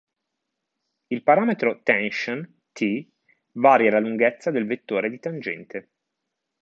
Il parametro "tension", "t", varia la lunghezza del vettore di tangente.